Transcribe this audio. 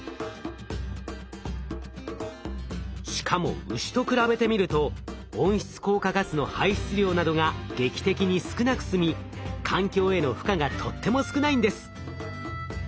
しかも牛と比べてみると温室効果ガスの排出量などが劇的に少なくすみ環境への負荷がとっても少ないんです。